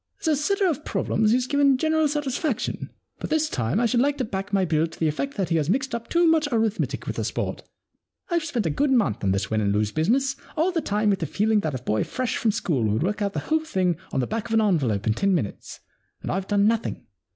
As a setter of problems he's given general satisfaction, but this time I should like to back my bill to the effect that he has mixed up too much arith metic with the sport. Fve spent a month on this win and lose business, all the time with the feeling that a boy fresh from school would work out the whole thing on the back 73 The Problem Club of an envelope in ten minutes, and I've done nothing.